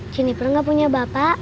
jennifer ga punya bapak